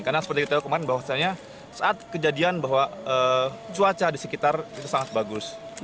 karena seperti kita tahu kemarin bahwa saat kejadian bahwa cuaca di sekitar itu sangat bagus